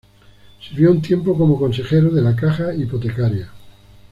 Sirvió un tiempo como consejero de la Caja Hipotecaria.